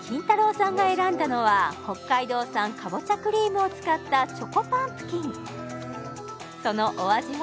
さんが選んだのは北海道産かぼちゃクリームを使ったチョコパンプキンそのお味は？